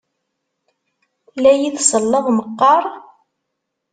La iyi-tselleḍ meqqar?